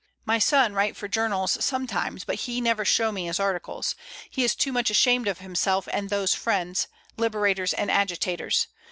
My son write for journals sometimes, but he never show me his articles. He is too much ashamed of himself and those friends — liberators and agitators.